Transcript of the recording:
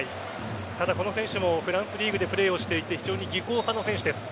ただ、この選手もフランスリーグでプレーをしていて非常に技巧派の選手です。